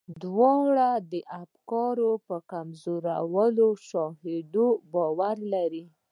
دواړه افکار په کمزورو شواهدو باور لري.